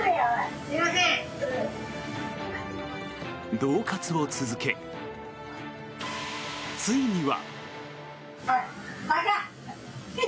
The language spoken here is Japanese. どう喝を続け、ついには。